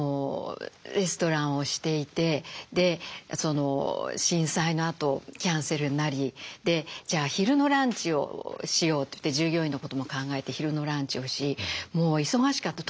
レストランをしていてで震災のあとキャンセルになりじゃあ昼のランチをしようといって従業員のことも考えて昼のランチをしもう忙しかった。